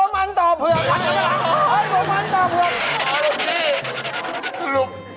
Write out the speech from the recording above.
มันต่อเผือก